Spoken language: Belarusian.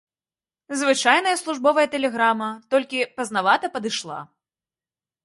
Звычайная службовая тэлеграма, толькі пазнавата падышла.